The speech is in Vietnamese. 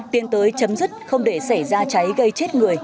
tiến tới chấm dứt không để xảy ra cháy gây chết người